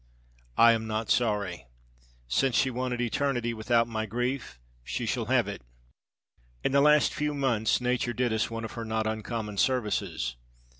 I am not sorry. Since she wanted eternity without my grief, she shall have it. In the last few months Nature did us one of her not uncommon services.